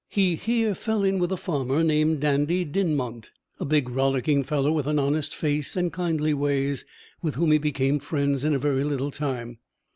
He here fell in with a farmer named Dandie Dinmont, a big, rollicking fellow, with an honest face and kindly ways, with whom he became friends in a very little time.